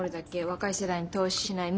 若い世代に投資しない。